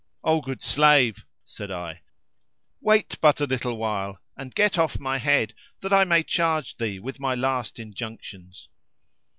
"O good slave," said I, "wait but a little while and get off my head that I may charge thee with my last injunctions."